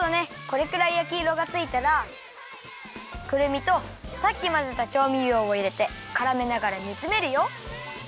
これくらいやきいろがついたらくるみとさっきまぜたちょうみりょうをいれてからめながらにつめるよ。